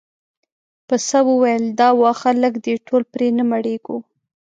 پسه وویل دا واښه لږ دي ټول پرې نه مړیږو.